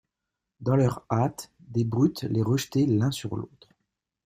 Dans leur hâte, des brutes les rejetaient l'un sur l'autre.